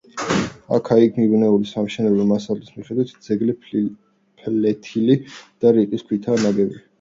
აქა-იქ მიმობნეული სამშენებლო მასალის მიხედვით, ძეგლი ფლეთილი და რიყის ქვითაა ნაგები.